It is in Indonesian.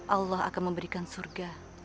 allah akan memberikan surga